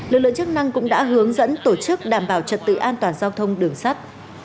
lực lượng chức năng cũng đã hướng dẫn tổ chức đảm bảo trật tự an toàn giao thông đường sắt